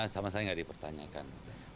sama saya nggak dipertanyakan